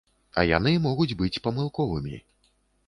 А яны могуць быць памылковымі.